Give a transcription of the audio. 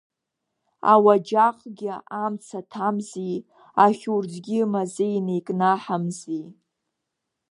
Ауаџьаҟгьы амца ҭамзи, ахьурӡгьы мазеины икнаҳамзи.